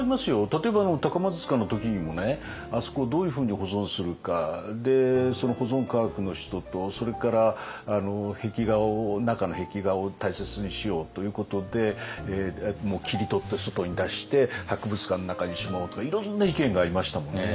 例えば高松塚の時にもねあそこをどういうふうに保存するかその保存科学の人とそれから中の壁画を大切にしようということで切り取って外に出して博物館の中にしまおうとかいろんな意見がありましたもんね。